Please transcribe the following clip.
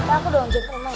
aku doang jempolnya ya